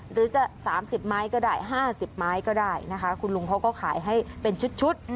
หรือจะ๓๐ไม้ก็ได้๕๐ไม้ก็ได้นะคะคุณลุงเขาก็ขายให้เป็นชุด